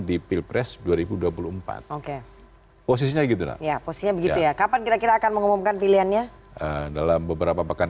di pilpres dua ribu dua puluh empat posisinya gitu ya kapan kira kira akan mengumumkan pilihannya dalam beberapa pekan